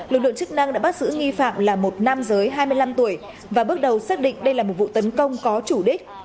lực lượng chức năng đã bắt giữ nghi phạm là một nam giới hai mươi năm tuổi và bước đầu xác định đây là một vụ tấn công có chủ đích